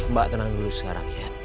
mbak tenang dulu sekarang ya